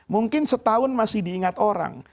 mungkin setahun masih diingat orang